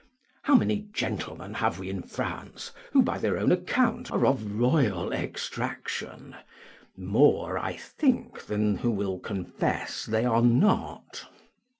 How many gentlemen have we in France who by their own account are of royal extraction? more, I think, than who will confess they are not.